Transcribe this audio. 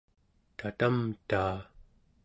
tatamtaa